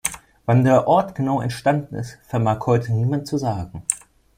Wann der Ort genau entstanden ist, vermag heute niemand zu sagen.